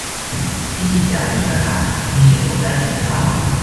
ที่คิดอย่างมีตรรกะ มีเหตุผลได้จริงหรือเปล่า